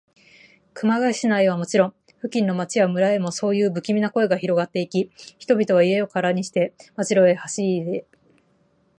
熊谷市内はもちろん、付近の町や村へも、そういうぶきみな声がひろがっていき、人々は家をからにして、街路へ走りいで、